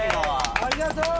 ありがとう！